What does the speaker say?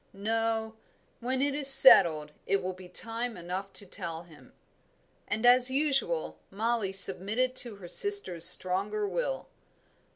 No: when it is settled it will be time enough to tell him;" and, as usual, Mollie submitted to her sister's stronger will.